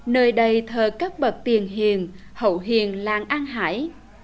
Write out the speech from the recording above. nơi đây thờ các bậc tiền hiền hậu hiền làng an hải